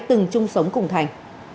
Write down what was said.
từng chung sống cùng thành